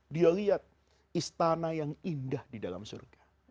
dia lihat istana yang indah di dalam surga